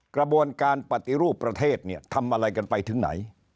กระบวนการปฏิรูปประเทศเนี่ยทำอะไรกันไปถึงไหน